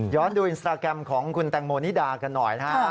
ย้อนดูอินสตาร์แกรมของคุณแตงโมนิดากันหน่อยนะครับ